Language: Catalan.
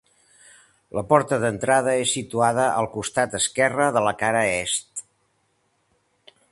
La porta d'entrada és situada al costat esquerre de la cara est.